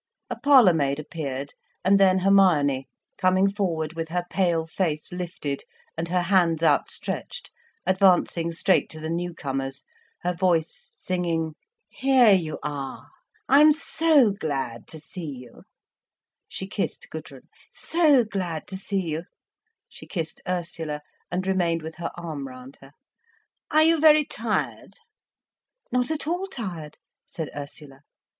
A parlour maid appeared, and then Hermione, coming forward with her pale face lifted, and her hands outstretched, advancing straight to the newcomers, her voice singing: "Here you are—I'm so glad to see you—" she kissed Gudrun—"so glad to see you—" she kissed Ursula and remained with her arm round her. "Are you very tired?" "Not at all tired," said Ursula.